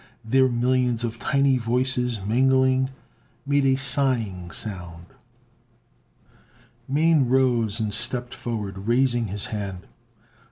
Their millions of tiny voices, mingling, made a sighing sound. Mane rose and stepped forward, raising his hand.